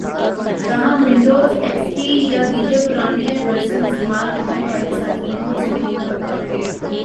تاہم Windows, X P یا دیگر پرانے ورژن استعمال کرنے والے صارفین کو اسے خریدنا ہوگا